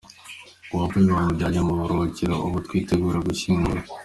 Uwapfuye bamujyanye mu buruhukiro, ubu turitegura gushyingura.